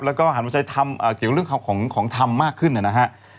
แล้วก็หันมาใช้ทำเกี่ยวเรื่องของธรรมมากขึ้นนะฮะ